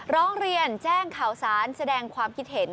ร้องเรียนแจ้งข่าวสารแสดงความคิดเห็น